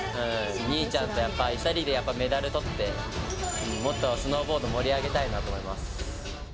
兄ちゃんとやっぱり、２人でやっぱりメダルとって、もっとスノーボードを盛り上げたいなと思います。